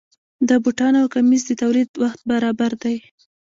د بوټانو او کمیس د تولید وخت برابر دی.